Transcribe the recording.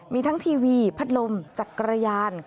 มีทั้งทีวีพัดลมจักรยาน